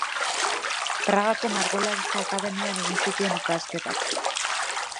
Pragako margolaritza-akademian egin zituen ikasketak.